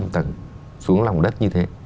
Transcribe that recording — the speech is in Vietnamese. năm tầng xuống lòng đất như thế